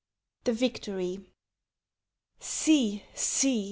THE VICTORY See, see!